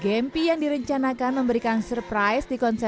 gempi bertemu dengan hon di belakang panggung